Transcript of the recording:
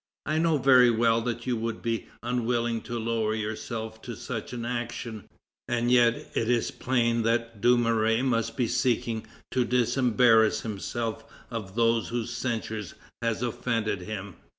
I know very well that you would be unwilling to lower yourself to such an action; and yet it is plain that Dumouriez must be seeking to disembarrass himself of those whose censure has offended him.